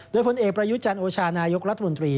โดยผลเอกประยุจันทร์โอชานายกรัฐมนตรี